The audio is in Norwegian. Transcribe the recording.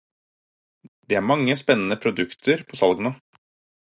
Det er mange spennende produkter på salg nå.